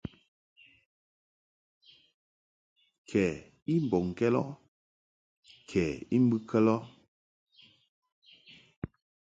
Kɛ i mbɔŋkɛd ɔ kɛ I mbɨkɛd ɔ.